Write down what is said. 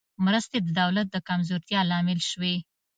مرستې د دولت د کمزورتیا لامل شوې.